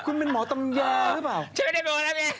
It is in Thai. คุณเป็นหมอตำแยรึเปล่า